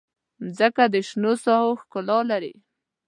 مځکه د شنو ساحو ښکلا لري.